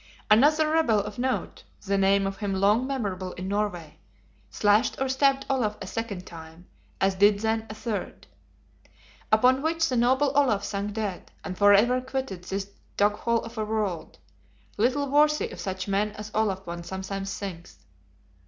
Another rebel of note (the name of him long memorable in Norway) slashed or stabbed Olaf a second time, as did then a third. Upon which the noble Olaf sank dead; and forever quitted this doghole of a world, little worthy of such men as Olaf one sometimes thinks.